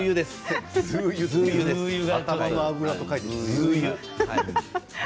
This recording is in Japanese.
頭の油と書いて頭油。